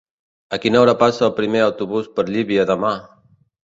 A quina hora passa el primer autobús per Llívia demà?